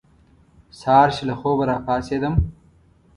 سهار چې له خوبه را پاڅېدم.